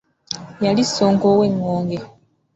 Yali Ssonko ow’engonge.